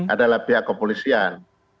adalah pihak kepolisian